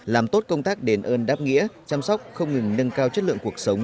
làm tốt công tác đền ơn đáp nghĩa chăm sóc không ngừng nâng cao chất lượng cuộc sống